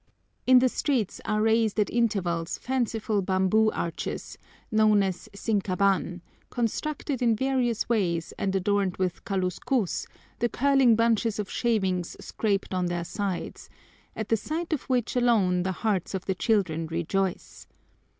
In the streets are raised at intervals fanciful bamboo arches, known as sinkában, constructed in various ways and adorned with kaluskús, the curling bunches of shavings scraped on their sides, at the sight of which alone the hearts of the children rejoice.